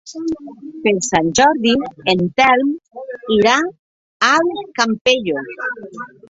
Per Sant Jordi en Telm irà al Campello.